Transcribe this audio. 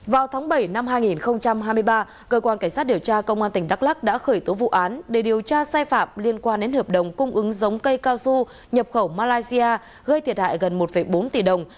công an tỉnh đắk lắc đã khởi tố vụ án để điều tra sai phạm liên quan đến hợp đồng cung ứng giống cây cao su nhập khẩu malaysia gây thiệt hại gần một bốn tỷ đồng